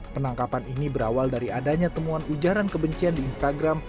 penangkapan ini berawal dari adanya temuan ujaran kebencian di instagram